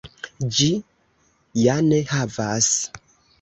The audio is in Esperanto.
Ĝi ja ne havas!